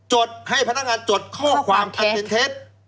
จดให้พนักงานจดข้อความอันเป็นเท็จ